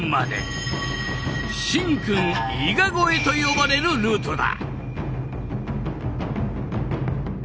「神君伊賀越え」と呼ばれるルートだ。